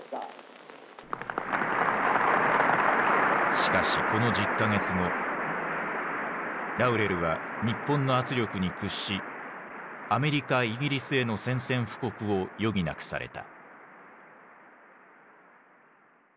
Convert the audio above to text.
しかしこの１０か月後ラウレルは日本の圧力に屈しアメリカイギリスへの宣戦布告を余儀なくされた。